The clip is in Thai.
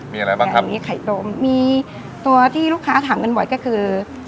มีอะไรบ้างครับมีไข่ต้มมีตัวที่ลูกค้าถามกันบ่อยก็คือ